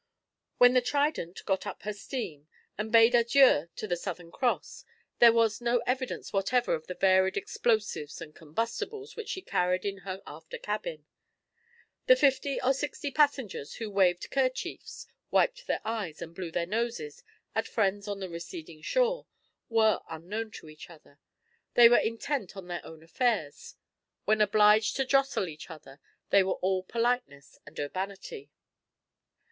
When the Trident got up steam, and bade adieu to the Southern Cross, there was no evidence whatever of the varied explosives and combustibles which she carried in her after cabin. The fifty or sixty passengers who waved kerchiefs, wiped their eyes, and blew their noses, at friends on the receding shore, were unknown to each other; they were intent on their own affairs. When obliged to jostle each other they were all politeness and urbanity.